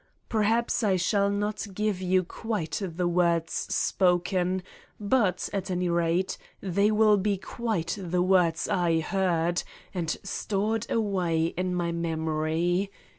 Perhaps I shall not give you quite the words spoken but, at any rate, they will be the words I heard and stored away in my memory.